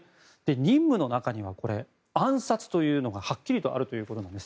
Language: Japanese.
任務の中には暗殺というのがはっきりとあるということです。